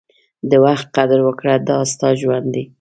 د وخت قدر وکړه، دا ستا ژوند دی.